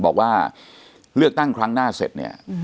บอกว่าเลือกตั้งครั้งหน้าเสร็จเนี่ย